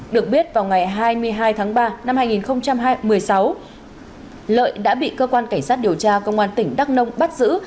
được biết vào ngày hai mươi hai tháng ba năm hai nghìn một mươi sáu lợi đã bị cơ quan cảnh sát điều tra công an tỉnh đắk nông bắt giữ